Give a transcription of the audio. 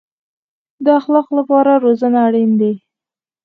د اخلاقو لپاره روزنه اړین ده